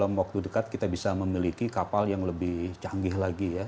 karena dalam waktu dekat kita bisa memiliki kapal yang lebih canggih lagi ya